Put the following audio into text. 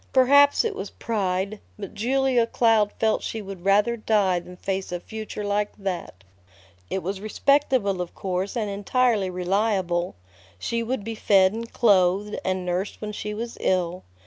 Perhaps it was pride, but Julia Cloud felt she would rather die than face a future like that. It was respectable, of course, and entirely reliable. She would be fed and clothed, and nursed when she was ill.